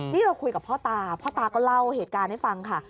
นี่เราคุยกับพ่อตาพ่อตาก็เล่าเหตุการณ์ให้ฟังค่ะ